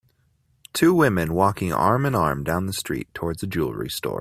Two women walking arm in arm down the street toward a jewelery store